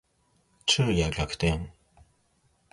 昼夜逆転